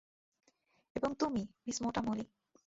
এবং তুমি, মিস মোটা মলি।